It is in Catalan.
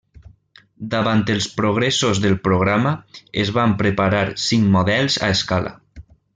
Davant els progressos del programa, es van preparar cinc models a escala.